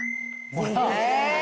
え！